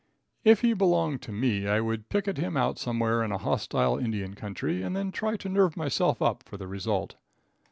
If he belonged to me I would picket him out somewhere in a hostile Indian country, and then try to nerve myself up for the result.